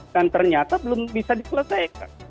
dan ternyata belum bisa diselesaikan